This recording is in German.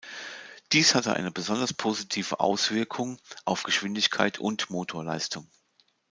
Dies hatte eine besonders positive Auswirkung auf Geschwindigkeit und Motorleistung.